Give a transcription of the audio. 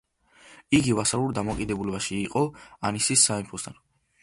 იგი ვასალურ დამოკიდებულებაში იყო ანისის სამეფოსთან.